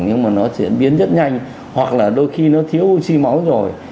nhưng mà nó diễn biến rất nhanh hoặc là đôi khi nó thiếu oxy máu rồi